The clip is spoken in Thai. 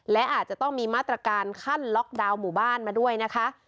และอาจจะต้องมีมาตรการขั้นล็อกดาวน์หมู่บ้านมาด้วยนะคะ